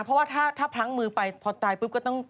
เพราะว่าถ้าพลั้งมือไปพอตายปุ๊บก็ต้อง